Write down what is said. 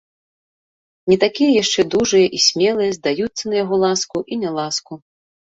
Не такія яшчэ дужыя і смелыя здаюцца на яго ласку і няласку.